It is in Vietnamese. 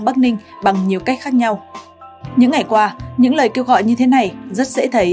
bắc ninh bằng nhiều cách khác nhau những ngày qua những lời kêu gọi như thế này rất dễ thấy